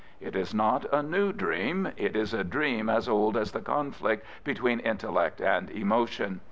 It is not a new dream. It is a dream as old as the conflict between intellect and emotion.